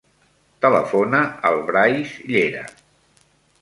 Telefona al Brais Llera.